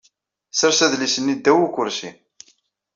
Sers adlis-nni ddaw ukersi.